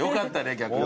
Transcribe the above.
逆に。